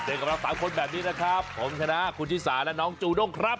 เดินกับเรา๓คนแบบนี้นะครับผมชนะคุณฮิสาและน้องจูนุ่งครับ